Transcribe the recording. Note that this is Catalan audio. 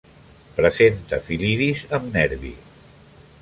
Presenta fil·lidis amb nervi.